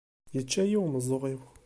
Yečča-yi umeẓẓuɣ-iw.